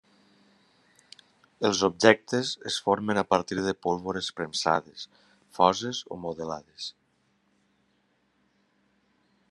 Els objectes es formen a partir de pólvores premsades, foses o modelades.